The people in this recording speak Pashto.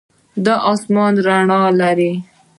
دا آسمان رڼا لري.